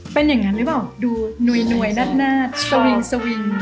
เป็นอย่างนั้นหรือเปล่าดูหน่วยนาดสวิงสวิง